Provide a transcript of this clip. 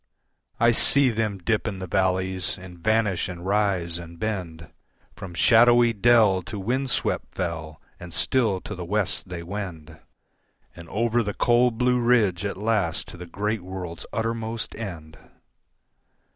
I see them dip in the valleys and vanish and rise and bend From shadowy dell to windswept fell, and still to the West they wend, And over the cold blue ridge at last to the great world's uttermost end.